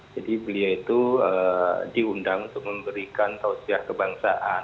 jadi beliau itu diundang untuk memberikan tausiah kebangsaan